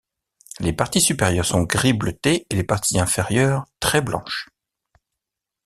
Les parties supérieures sont gris bleuté et les parties inférieures très blanches.